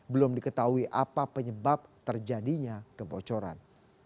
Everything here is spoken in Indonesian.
belum diketahui apa penyebab terjadinya kebocoran